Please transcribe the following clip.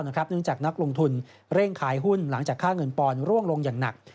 เนื่องจากนักลงทุนเร่งขายหุ้นหลังจากค่าเงินปอนดร่วงลงอย่างหนัก